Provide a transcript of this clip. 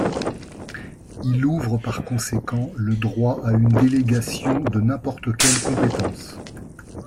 Il ouvre, par conséquent, le droit à une délégation de n’importe quelle compétence.